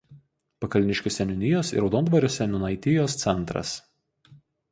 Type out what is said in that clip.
Pakalniškių seniūnijos ir Raudondvario seniūnaitijos centras.